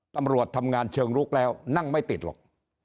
ตำรวจทำงานเชิงลุกแล้วนั่งไม่ติดหรอก